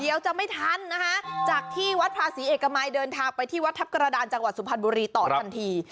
จะไม่ทันนะคะจากที่วัดภาษีเอกมัยเดินทางไปที่วัดทัพกระดานจังหวัดสุพรรณบุรีต่อทันที